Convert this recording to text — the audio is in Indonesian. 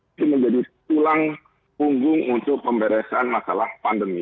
itu menjadi tulang punggung untuk pemberesan masalah pandemi